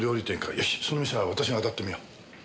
よしその店は私が当たってみよう。